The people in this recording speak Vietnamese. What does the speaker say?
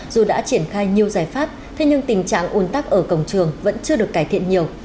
dù đã triển khai nhiều giải pháp thế nhưng tình trạng un tắc ở cổng trường vẫn chưa được cải thiện nhiều